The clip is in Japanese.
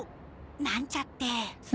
なんちゃって。